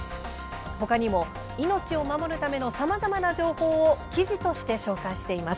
他にも、命を守るのためのさまざまな情報を記事として紹介しています。